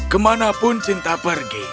kemanapun cinta pergi